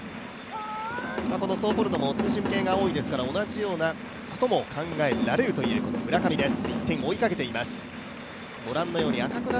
ソーポルドもツーシーム系が多いですから、同じようなことも考えられるという村上です。